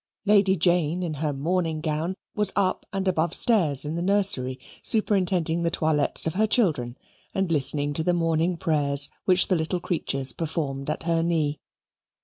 Lady Jane, in her morning gown, was up and above stairs in the nursery superintending the toilettes of her children and listening to the morning prayers which the little creatures performed at her knee.